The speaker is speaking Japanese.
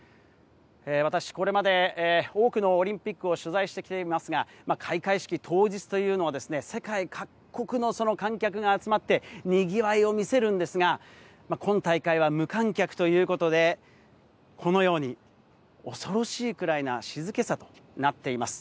私、これまで多くのオリンピックを取材してきていますが、開会式当日というのは世界各国の観客が集まってにぎわいを見せるんですが、今大会は無観客ということでこのように恐ろしいくらいな静けさとなっています。